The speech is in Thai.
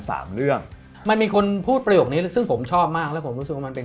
สามเรื่องมันมีคนพูดประโยคนี้ซึ่งผมชอบมากแล้วผมรู้สึกว่ามันเป็น